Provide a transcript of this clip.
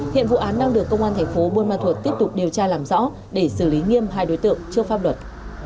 hiện vụ án đang được công an thành phố buôn ma thuột tiếp tục điều tra làm rõ để xử lý nghiêm hai đối tượng trước pháp luật